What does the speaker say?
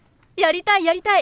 やりたい！